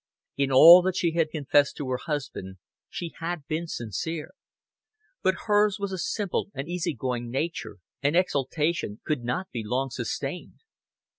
In all that she had confessed to her husband she had been sincere; but hers was a simple and easy going nature, and exaltation could not be long sustained.